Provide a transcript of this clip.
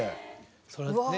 それはね